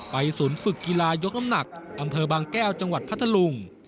ศูนย์ฝึกกีฬายกน้ำหนักอำเภอบางแก้วจังหวัดพัทธลุง